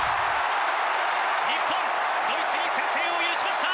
日本ドイツに先制を許しました！